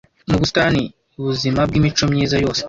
mu busitani buzima bwimico myiza yose